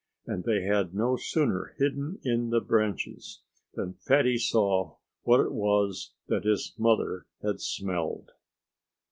And they had no sooner hidden in the branches than Fatty saw what it was that his mother had smelled.